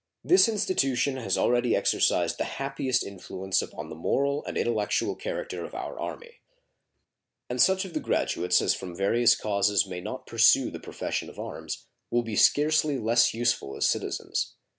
This institution has already exercised the happiest influence upon the moral and intellectual character of our Army; and such of the graduates as from various causes may not pursue the profession of arms will be scarcely less useful as citizens.